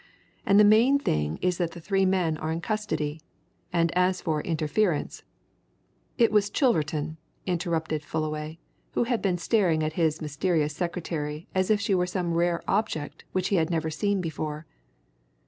And the main thing is that the three men are in custody, and as for interference " "It was Chilverton," interrupted Fullaway, who had been staring at his mysterious secretary as if she were some rare object which he had never seen before.